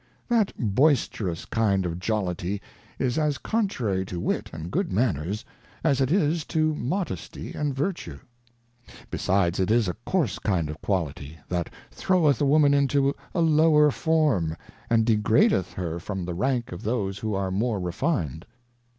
That boisterous kind of Jollity is as contrary to Wit and Good Manners, as it is to Modesty and Vertue. Besides, it is a coarse kind of quality, that throweth a Woman into a lower Form, and degradeth her from the Rank of those who are more refined.